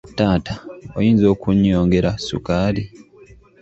Taata, oyinza okunyongera sukaali?